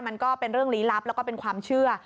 มันก็เป็นเรื่องลี้ลับแล้วก็เป็นความเชื่อ